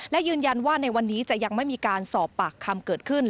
และยืนยันว่าในวันนี้จะยังไม่มีการสอบปากคำเกิดขึ้น